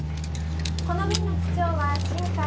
「この便の機長は新海」